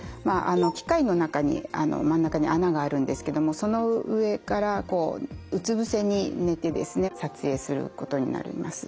機械の真ん中に穴があるんですけどもその上からうつぶせに寝てですね撮影することになります。